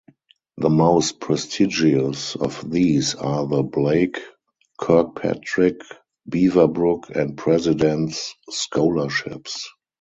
The most prestigious of these are the Blake-Kirkpatrick, Beaverbrook, and President's scholarships.